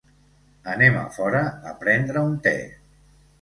Anem a fora a prendre un té.